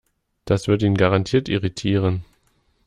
Das wird ihn garantiert irritieren.